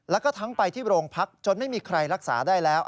แล้วก็ทั้งไปที่โรงพักจนไม่มีใครรักษาได้แล้ว